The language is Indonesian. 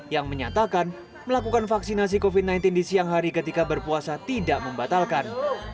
yang menyatakan melakukan vaksinasi covid sembilan belas di siang hari ketika berpuasa tidak membatalkan